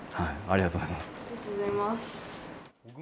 ありがとうございます。